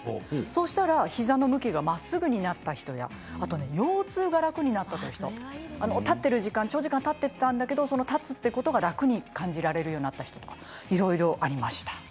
そしたら膝の向きがまっすぐになった人や腰痛が楽になったという人立っている時間、長時間立っていたんだけど立つということが楽に感じられるようになった人とかいろいろありました。